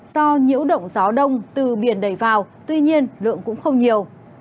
do nhiễu động gió đông từ biển đầy vào tuy nhiên lượng cũng không nhiều